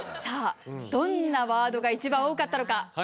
さあどんなワードが一番多かったのか。